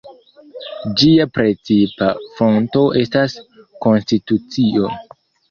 Ĝia precipa fonto estas konstitucio.